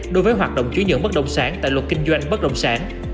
đối với hoạt động chuyển nhượng bất động sản tại luật kinh doanh bất động sản